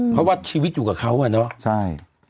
เพราะว่าชีวิตอยู่กับเขาอ่ะเนอะใช่